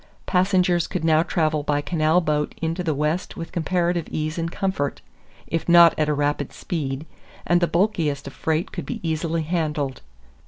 Passengers could now travel by canal boat into the West with comparative ease and comfort, if not at a rapid speed, and the bulkiest of freight could be easily handled.